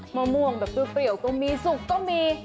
มะม่วงแบบเปรี้ยวก็มีสุกก็มี